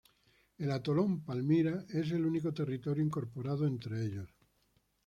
El atolón Palmyra es el único territorio incorporado entre ellos.